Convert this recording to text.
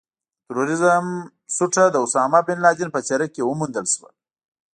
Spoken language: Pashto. د ترورېزم سوټه د اسامه بن لادن په څېره کې وموندل شوه.